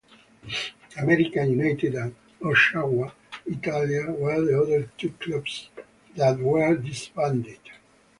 America United and Oshawa Italia were the other two clubs that were disbanded.